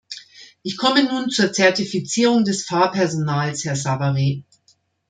Ich komme nun zur Zertifizierung des Fahrpersonals, Herr Savary.